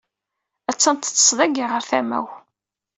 Attan teṭṭes dayi ɣer tama-w.